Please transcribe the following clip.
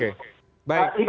itu tantang banget dilihatnya